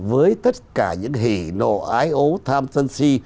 với tất cả những hỉ nộ ái ố tham dân si